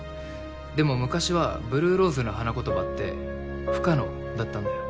でも昔はブルーローズの花言葉って不可能だったんだよ。